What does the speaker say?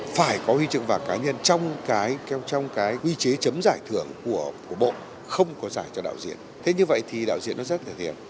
phải có huy trường vàng cá nhân trong cái quy chế chấm giải thưởng của bộ không có giải cho đạo diễn thế như vậy thì đạo diễn nó rất là thiện